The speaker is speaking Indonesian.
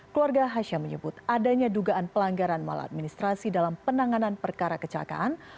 keluarga hasya menyebut adanya dugaan pelanggaran maladministrasi dalam penanganan perkara kecelakaan